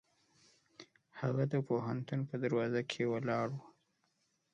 هغه د پوهنتون په دروازه کې ولاړ و.